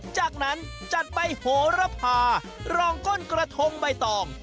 จากนั้นจัดไปโหระพารองก้นกระทงใบตอง